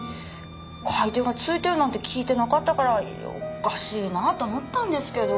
買い手が付いてるなんて聞いてなかったからおかしいなと思ったんですけど。